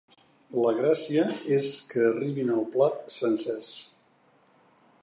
La gràcia és que arribin al plat sencers.